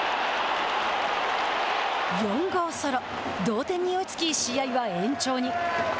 同点に追いつき、試合は延長に。